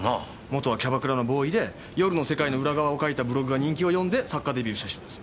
元はキャバクラのボーイで夜の世界の裏側を書いたブログが人気を呼んで作家デビューした人です。